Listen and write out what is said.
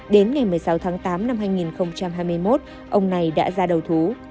đến ngày một mươi sáu tháng tám năm hai nghìn hai mươi một ông này đã ra đầu thú